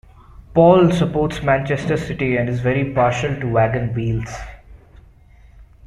Paul supports Manchester City and is very partial to Wagon Wheels.